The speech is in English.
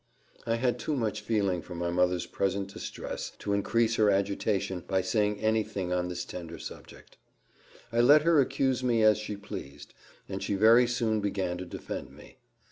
I had too much feeling for my mother's present distress to increase her agitation by saying any thing on this tender subject. I let her accuse me as she pleased and she very soon began to defend me.